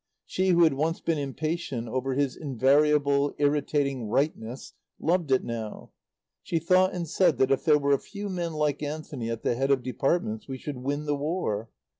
She who had once been impatient over his invariable, irritating rightness, loved it now. She thought and said that if there were a few men like Anthony at the head of departments we should win the War.